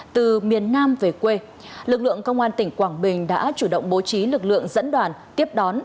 từ miền nam về quê lực lượng công an tỉnh quảng bình đã chủ động bố trí lực lượng dẫn đoàn tiếp đón